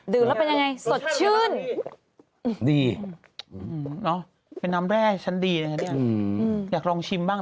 ที่แม่สอดใช่ไหมจังหวัดตากใช่ไหม